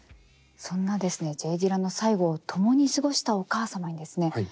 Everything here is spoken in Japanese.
そんなですねＪ・ディラの最期を共に過ごしたお母様にですね